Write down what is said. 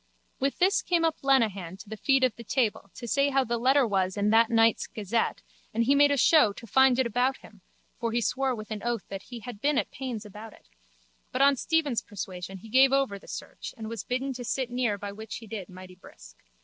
With this came up Lenehan to the feet of the table to say how the letter was in that night's gazette and he made a show to find it about him (for he swore with an oath that he had been at pains about it) but on Stephen's persuasion he gave over the search and was bidden to sit near by which he did mighty brisk.